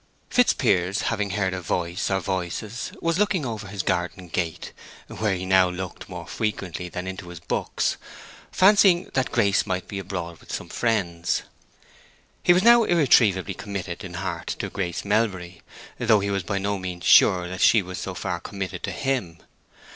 Fitzpiers having heard a voice or voices, was looking over his garden gate—where he now looked more frequently than into his books—fancying that Grace might be abroad with some friends. He was now irretrievably committed in heart to Grace Melbury, though he was by no means sure that she was so far committed to him.